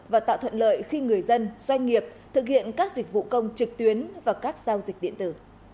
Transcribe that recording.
và tạo thuận lợi khi người dân doanh nghiệp thực hiện các dịch vụ công trực tuyến và các giao dịch điện tử